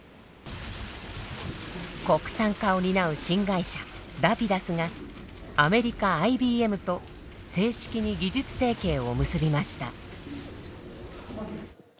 国産化を担う新会社ラピダスがアメリカＩＢＭと正式に技術提携を結びました。